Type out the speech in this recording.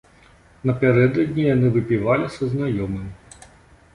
Напярэдадні яны выпівалі са знаёмым.